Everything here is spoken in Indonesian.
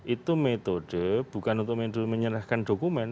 itu metode bukan untuk menyerahkan dokumen